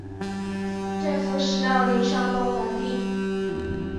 镇抚使赵霖上报皇帝。